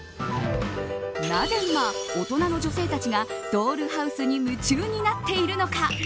なぜ今、大人の女性たちがドールハウスに夢中になっているのか。